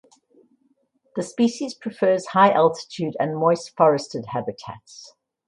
The species prefers high altitude and moist forested habitats.